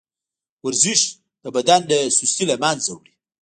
ورزش د بدن سستي له منځه وړي.